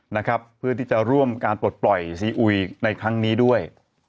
นะครับเพื่อที่จะร่วมการปลดปล่อยซีอุยในครั้งนี้ด้วย